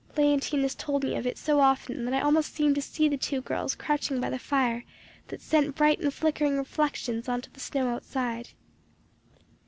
Léontine has told me of it so often that I almost seem to see the two girls crouching by the fire that sent bright and flickering reflections on to the snow outside.